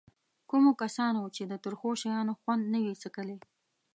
کومو کسانو چې د ترخو شیانو خوند نه وي څکلی.